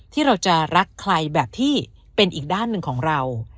ที่เราจะรักใครแบบที่เป็นอีกด้านหนึ่งของเรา